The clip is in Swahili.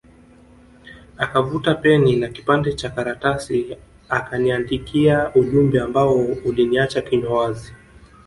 Akavuta peni na kipande Cha karatasi akaniandikia ujumbe ambao uliniacha kinywa wazi